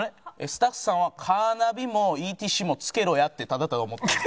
スタッフさんはカーナビもＥＴＣも付けろやってただただ思ってる。